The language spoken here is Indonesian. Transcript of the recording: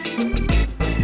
terima kasih bang